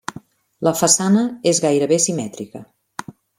La façana és gairebé simètrica.